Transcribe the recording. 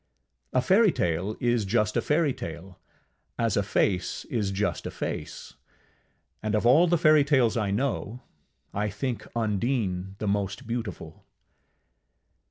A fairytale is just a fairytale, as a face is just a face; and of all fairytales I know, I think Undine the most beautiful.